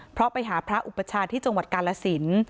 เพราะไปหาพระอุปชาที่จังหวัดกาลสิน